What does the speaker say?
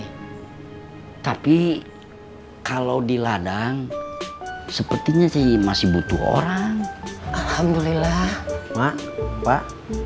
hai tapi kalau di ladang sepertinya sih masih butuh orang alhamdulillah pak pak